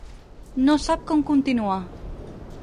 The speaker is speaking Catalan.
No sap com continuar.